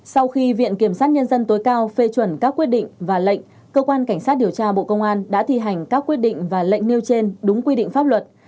sau khi viện kiểm sát nhân dân tối cao phê chuẩn các quyết định và lệnh cơ quan cảnh sát điều tra bộ công an đã thi hành các quyết định và lệnh nêu trên đúng quy định pháp luật